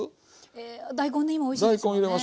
え大根ね今おいしいですよね。